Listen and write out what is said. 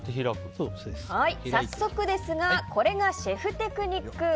早速ですがこれがシェフテクニック。